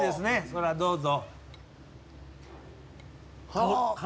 それはどうぞ。